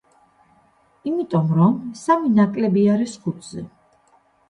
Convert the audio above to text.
იმიტომ, რომ სამი ნაკლები არის ხუთზე.